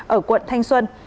ở quận thanh xuân